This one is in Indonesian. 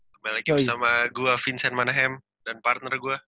kembali lagi bersama gue vincent manahem dan partner gue